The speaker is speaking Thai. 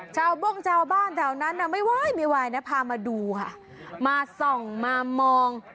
เจ้าบ้านเท่านั้นไม่ไหวนะพามาดูค่ะมาส่องมามอง